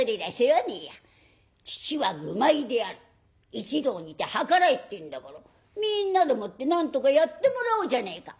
一同にて計らえ』っていうんだからみんなでもってなんとかやってもらおうじゃねえか」。